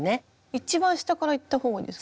一番下からいったほうがいいです？